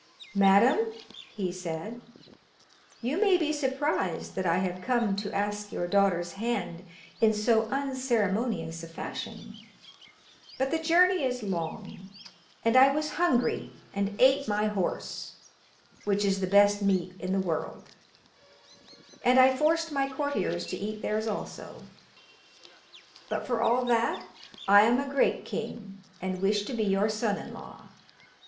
'Madam,' he said, 'you may be surprised that I have come to ask your daughter's hand in so unceremonious a fashion; but the journey is long, and I was hungry and ate my horse, which is the best meat in the world; and I forced my courtiers to eat theirs also. But for all that I am a great king, and wish to be your son in law.